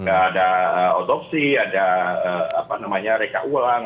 ada otopsi ada apa namanya reka ulang